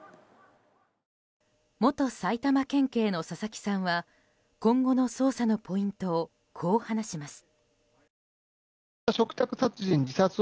元埼玉県警の佐々木さんは今後の捜査のポイントをこう話します。